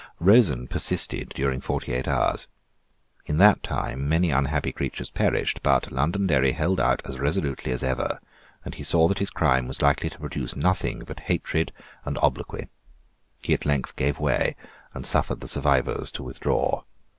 Rosen persisted during forty eight hours. In that time many unhappy creatures perished: but Londonderry held out as resolutely as ever; and he saw that his crime was likely to produce nothing but hatred and obloquy. He at length gave way, and suffered the survivors to withdraw.